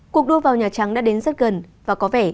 cuộc đua vào nhà trắng đã đến rất gần và có vẻ